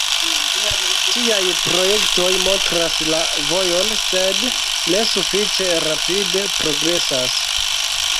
Tiaj projektoj montras la vojon, sed ne sufiĉe rapide progresas.